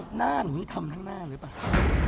สรุปหน้าหนูนี่ทำทั้งหน้าเลยป่ะ